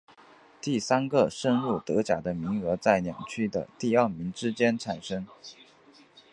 第三个升入德甲的名额在两区的第二名之间产生。